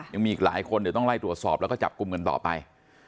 ยังมีอีกหลายคนเดี๋ยวต้องไล่ตรวจสอบแล้วก็จับกลุ่มกันต่อไป